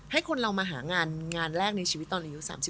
ให้คนเรามาหางานแรกในชีวิตตอนอายุ๓๒